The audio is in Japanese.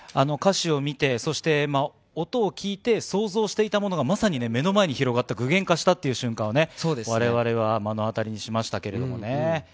歌詞を見て、そして音を聴いて、想像していたものが、まさに目の前に広がった、具現化したっていう瞬間を、われわれは目の当たりにしましたけどね。